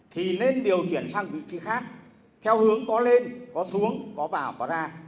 thì nên điều chuyển sang vị trí khác theo hướng có lên có xuống có vào có ra